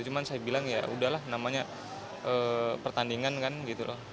cuma saya bilang ya udahlah namanya pertandingan kan gitu loh